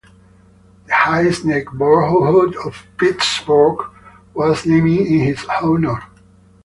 The Hays neighborhood of Pittsburgh was named in his honor.